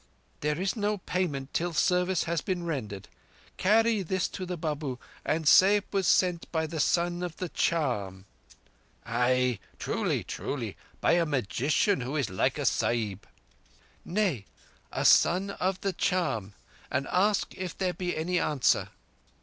"There is no payment till service has been rendered. Carry this to the Babu, and say it was sent by the Son of the Charm." "Ai! Truly! Truly! By a magician—who is like a Sahib." "Nay, a Son of the Charm: and ask if there be any answer."